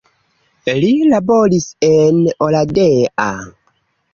Li laboris en Oradea.